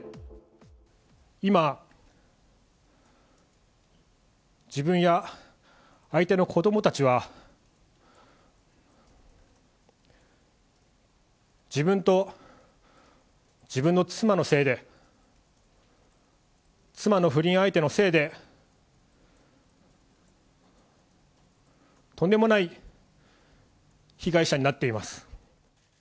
今、自分や相手の子どもたちは、自分と自分の妻のせいで、妻の不倫相手のせいで、とんでもない被害者になっています。